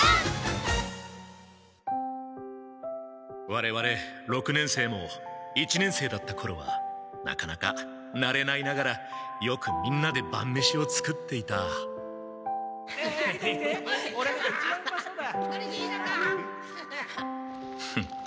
われわれ六年生も一年生だったころはなかなかなれないながらよくみんなで晩飯を作っていたフッ。